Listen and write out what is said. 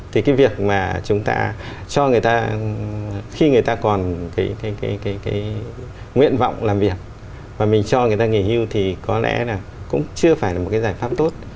thì cái việc mà chúng ta cho người ta khi người ta còn cái nguyện vọng làm việc và mình cho người ta nghỉ hưu thì có lẽ là cũng chưa phải là một cái giải pháp tốt